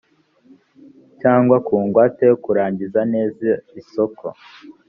cyangwa ku ngwate yo kurangiza neza isoko